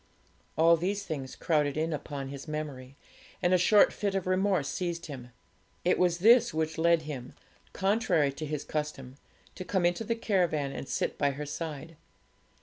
All these things crowded in upon his memory, and a short fit of remorse seized him. It was this which led him, contrary to his custom, to come into the caravan and sit by her side.